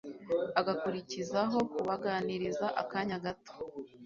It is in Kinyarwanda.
agakurikizaho kubaganiriza akanya gato